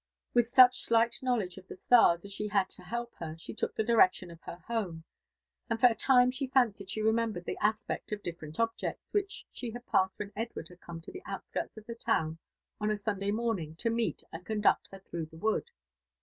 With such slight knowledge of the stars as she had to help her, she took the direction of her home ; and for a time she fancied she remembered the aspect of different objects which she had passed when Edward had Come to Iheontskirtsof the town on a Sunday morning, to meet, and conduct her through the wood.